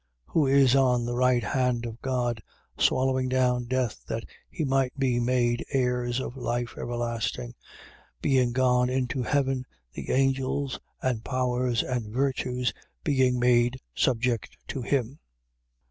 Who is on the right hand of God, swallowing down death that we might be made heirs of life everlasting: being gone into heaven, the angels and powers and virtues being made subject to him.